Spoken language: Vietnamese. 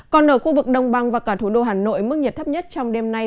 còn ở khu vực đồng bằng và cả thủ đô hà nội mức nhiệt thấp nhất trong đêm nay